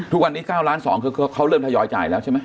ทุกวันนี้๙ล้าน๒คือเขาเริ่มทยอยจ่ายแล้วใช่ไหม